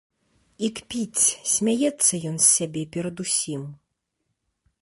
І кпіць, смяецца ён з сябе перадусім.